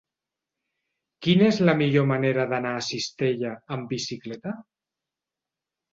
Quina és la millor manera d'anar a Cistella amb bicicleta?